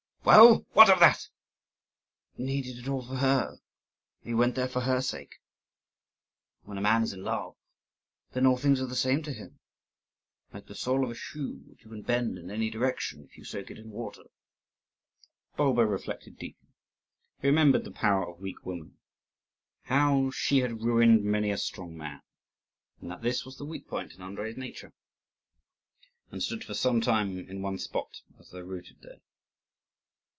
"Well, what of that?" "He did it all for her, he went there for her sake. When a man is in love, then all things are the same to him; like the sole of a shoe which you can bend in any direction if you soak it in water." Bulba reflected deeply. He remembered the power of weak woman how she had ruined many a strong man, and that this was the weak point in Andrii's nature and stood for some time in one spot, as though rooted there.